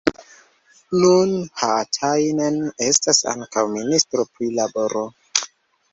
Nun Haatainen estas ankaŭ ministro pri laboro.